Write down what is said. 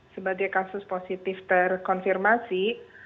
sebagai kasus positif terkonfirmasi